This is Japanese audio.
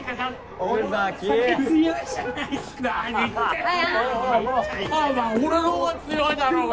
俺の方が強いだろうが。